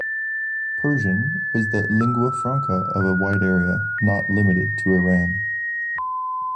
Persian was the "lingua franca" of a wide area, not limited to Iran.